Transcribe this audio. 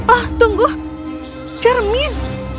ah tunggu cermin